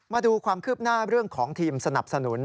มาดูความคืบหน้าเรื่องของทีมสนับสนุน